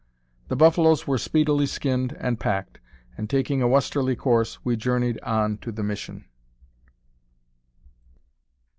The buffaloes were speedily skinned and packed, and taking a westerly course, we journeyed on to the mission.